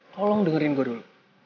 tolong dengerin gue dulu